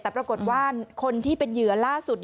แต่ปรากฏว่าคนที่เป็นเหยื่อล่าสุด